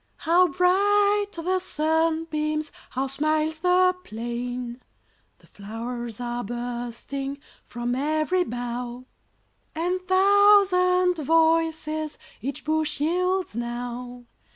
How bright the sunbeams! How smiles the plain! The flow'rs are bursting From ev'ry bough, And thousand voices Each bush yields now.